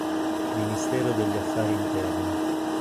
Ministero degli affari interni